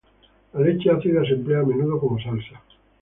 La leche ácida se emplea a menudo como salsa.